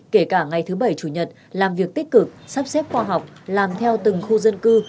kể cả ngày thứ bảy chủ nhật làm việc tích cực sắp xếp khoa học làm theo từng khu dân cư